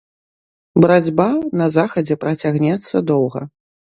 Барацьба на захадзе працягнецца доўга.